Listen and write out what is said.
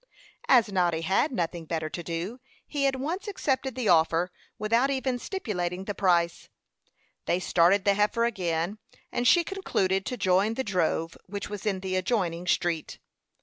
As Noddy had nothing better to do, he at once accepted the offer, without even stipulating the price. They started the heifer again, and she concluded to join the drove which was in the adjoining street.